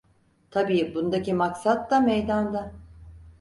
Tabii bundaki maksat da meydanda...